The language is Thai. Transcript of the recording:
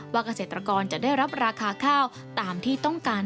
ว่าเกษตรกรจะได้รับราคาข้าว